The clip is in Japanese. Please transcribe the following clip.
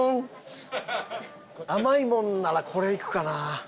甘いものならこれいくかな？